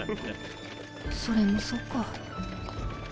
それもそうか。